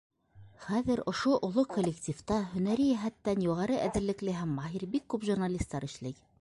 Хәҙер ошо оло коллективта һөнәри йәһәттән юғары әҙерлекле һәм маһир бик күп журналистар эшләй.